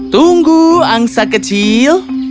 tunggu angsa kecil